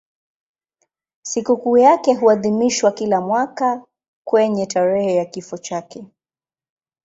Sikukuu yake huadhimishwa kila mwaka kwenye tarehe ya kifo chake.